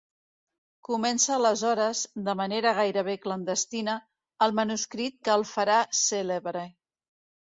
Comença aleshores, de manera gairebé clandestina, el manuscrit que el farà cèlebre.